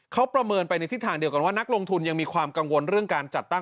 เขาประเมินไปในทิศทางเดียวกันว่านักลงทุนยังมีความกังวลเรื่องการจัดตั้ง